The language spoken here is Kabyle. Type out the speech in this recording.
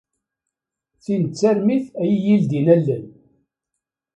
Tin d tarmit ay iyi-yeldin allen.